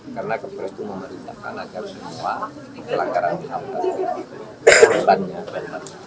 karena kepres itu memerintahkan agar semua kelakaran yang tersebut berubah